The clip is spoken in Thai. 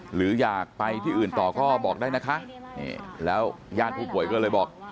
หรืออยากไปที่อื่นต่อก็บอกได้นะคะนี่แล้วญาติผู้ป่วยก็เลยบอก